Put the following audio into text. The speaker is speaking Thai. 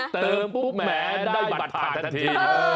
เติมแม้ได้บัตรผ่านทันที